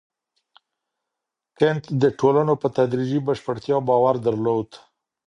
کنت د ټولنو په تدریجي بشپړتیا باور درلود.